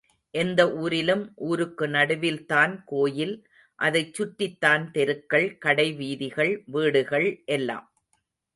எந்த ஊரிலும் ஊருக்கு நடுவில் தான் கோயில், அதைச் சுற்றித்தான் தெருக்கள், கடை வீதிகள், வீடுகள் எல்லாம்.